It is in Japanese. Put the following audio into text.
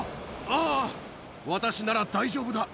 ああ、私なら大丈夫だ。